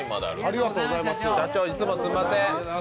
社長、いつもすみません。